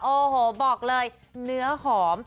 โอ้โหบอกเลยเนื้อหอม